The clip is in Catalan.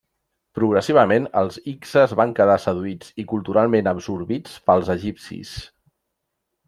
Progressivament, els hikses van quedar seduïts i culturalment absorbits pels egipcis.